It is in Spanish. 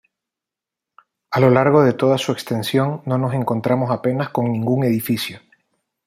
A lo largo de toda su extensión no nos encontramos apenas con ningún edificio.